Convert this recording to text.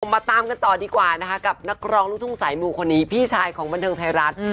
มาตามกันต่อดีกว่านะคะกับนักร้องลูกทุ่งสายมูคนนี้พี่ชายของบันเทิงไทยรัฐ